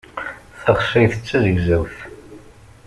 Taxsayt d tazegzawt.